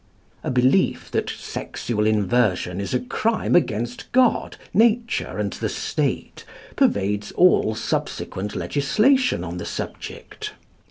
A belief that sexual inversion is a crime against God, nature, and the State pervades all subsequent legislation on the subject.